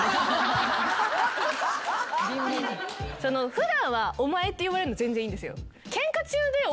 普段は「お前」って言われるの全然いいんですよ。